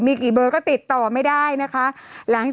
มีกี่เบอร์ก็ติดต่อไม่ได้นะคะ